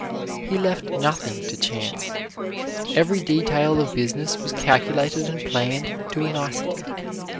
He left nothing to chance. Every detail of business was calculated and planned to a nicety.